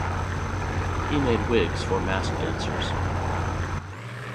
He made wigs for masque dancers.